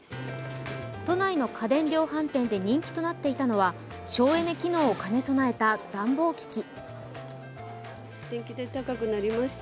都内の家電量販店で人気となっていたのは省エネ機能を兼ね備えた暖房機器。